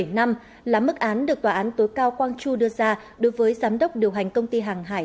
một mươi năm là mức án được tòa án tối cao quang chu đưa ra đối với giám đốc điều hành công ty hàng hải